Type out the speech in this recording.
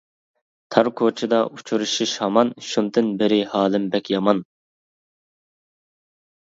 تار كوچىدا ئۇچرىشىش ھامان، شۇندىن بېرى ھالىم بەك يامان!